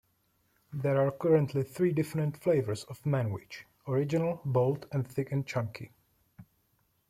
There are currently three different flavors of Manwich; Original, Bold and Thick and Chunky.